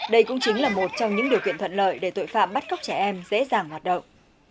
đây cũng chính là một trong những điều kiện thuận lợi để tội phạm bắt cóc trẻ em dễ dàng hoạt động